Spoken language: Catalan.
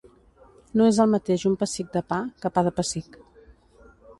No és el mateix un pessic de pa, que pa de pessic.